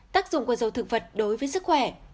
tác dụng của dầu thực vật đối với sức khỏe